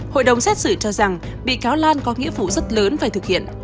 hội đồng xét xử cho rằng bị cáo lan có nghĩa vụ rất lớn phải thực hiện